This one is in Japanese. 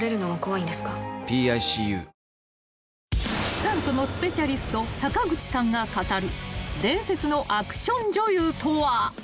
［スタントのスペシャリスト坂口さんが語る伝説のアクション女優とは］